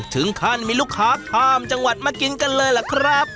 ถึงขั้นมีลูกค้าข้ามจังหวัดมากินกันเลยล่ะครับ